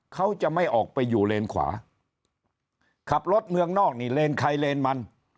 เขาจะไม่ออกไปอยู่เลนขวาขับรถเมืองนอกนี่เลนใครเลนมัน